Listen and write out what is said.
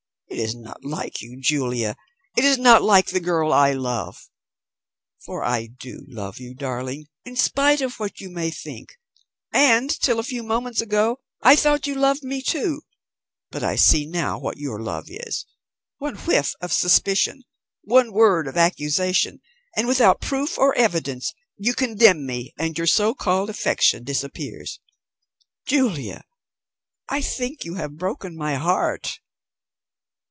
It is not like you, Julia. It is not like the girl I love. For I do love you, darling, in spite of what you may think; and, till a few moments ago, I thought you loved me too. But I see now what your love is. One whiff of suspicion, one word of accusation, and without proof or evidence you condemn me, and your so called affection disappears. Julia, I think you have broken my heart."